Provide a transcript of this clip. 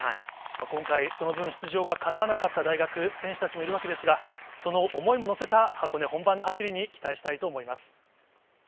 今回、その分、出場がかなわなかった大学、選手たちもいるわけですが、その思いも乗せた箱根本番の走りに期待したいと思います。